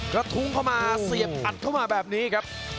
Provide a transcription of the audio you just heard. กระทุ้งเข้ามาเสียบอัดเข้ามาแบบนี้ครับ